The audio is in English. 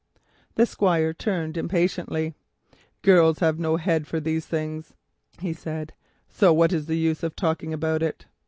The Squire turned impatiently. "Girls have no head for these things," he said, "so what is the use of talking about it?"